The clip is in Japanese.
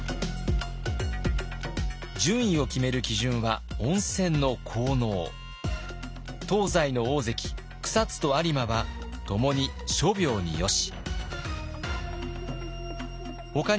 順位を決める基準は東西の大関草津と有馬はともに「諸病によし」。